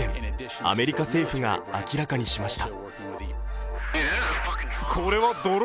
アメリカ政府が明らかにしました。